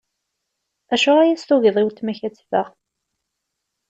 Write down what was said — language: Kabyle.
Acuɣer i as-tugiḍ i weltma-k ad teffeɣ?